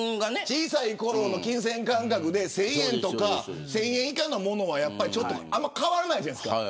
小さいころの金銭感覚で１０００円とか１０００円以下のものはあんまり変わらないじゃないですか。